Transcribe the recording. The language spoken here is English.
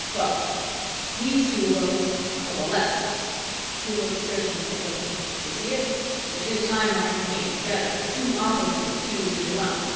Well, these two worlds coalesced." He looked searchingly at Dave. "Do you see it? The two time lines came together. Two opposites fused into one.